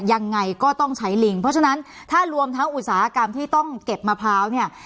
ยังไงก็ต้องใช้ลิงเพราะฉะนั้นถ้ารวมทั้งอุตสาหกรรมที่ต้องเก็บมะพร้าวเนี่ย